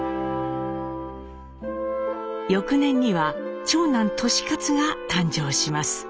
翌年には長男・利勝が誕生します。